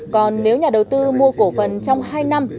còn nếu nhà đầu tư mua cổ phần trong hai năm